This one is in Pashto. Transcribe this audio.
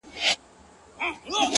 کلونه کېږي له زندانه اواز نه راوزي-